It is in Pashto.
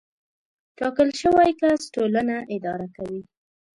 ټاکل شوی کس ټولنه اداره کوي.